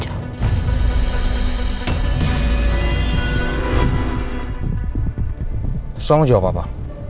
setelah itu mau jawab apa